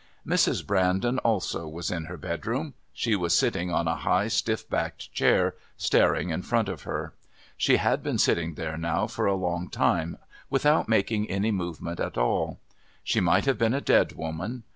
Mrs. Brandon also was in her bedroom. She was sitting on a high stiff backed chair, staring in front of her. She had been sitting there now for a long time without making any movement at all. She might have been a dead woman.